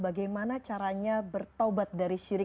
bagaimana caranya bertobat dari syirik